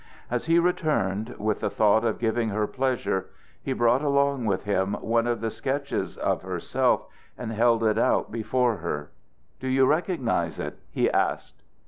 As he returned, with the thought of giving her pleasure, he brought along with him one of the sketches of herself and held it out before her. "Do you recognize it?" he asked.